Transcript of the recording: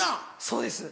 そうです。